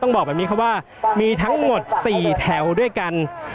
บอกแบบนี้ครับว่ามีทั้งหมด๔แถวด้วยกัน